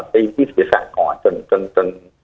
ไปที่ศูยษะก่อน